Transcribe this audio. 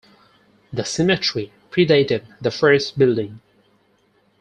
The cemetery predated the first building.